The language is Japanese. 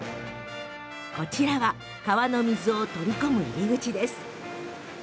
こちらは川の水を取り込む入り口。